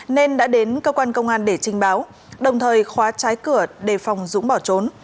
nên đã đến cơ quan công an để trình báo đồng thời khóa trái cửa đề phòng dũng bỏ trốn